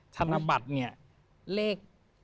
ธนบัตรเนี่ยเลข